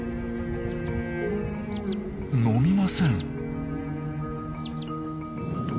飲みません。